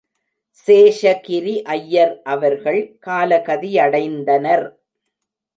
சேஷகிரி ஐயர் அவர்கள் காலகதியடைந்தனர்.